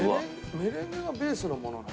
メレンゲがベースのものなの？